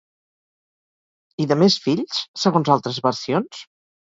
I de més fills, segons altres versions?